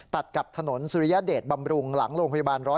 ตัดกับถนนสุริยเดชบำรุงหลังโรงพยาบาล๑๐๑